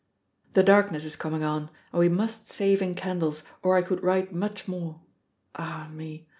The darkness is coming on, and we must save in candles, or I could write much more. Ah, me!